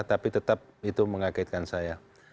tapi tetap itu mengagetkan saya